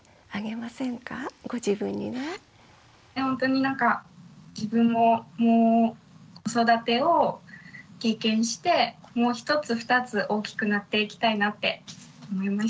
ほんとになんか自分も子育てを経験してもう一つ二つ大きくなっていきたいなって思いました。